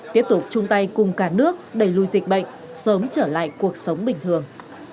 tiếp tục chung tay cùng cả nước đẩy lùi dịch bệnh sớm trở lại cuộc sống bình thường